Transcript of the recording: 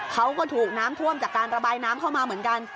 เขาก็ถูกน้ำท่วมจากการระบายน้ำเข้ามาเหมือนกัน